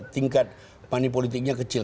tingkat manipolitiknya kecil